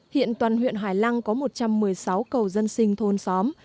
hiện toàn huyện hải lăng có một trăm một mươi sáu cầu dân sinh thôn xóm